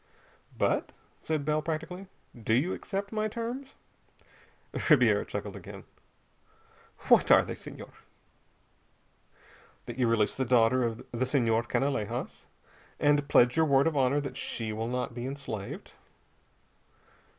"But," said Bell practically, "do you accept my terms?" Ribiera chuckled again. "What are they, Senhor?" "That you release the daughter of the Senhor Canalejas and pledge your word of honor that she will not be enslaved."